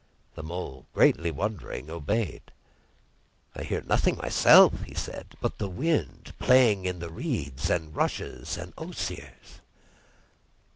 The Mole, greatly wondering, obeyed. "I hear nothing myself," he said, "but the wind playing in the reeds and rushes and osiers."